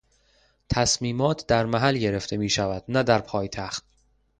تصمیمات در محل گرفته میشود نه در پایتخت.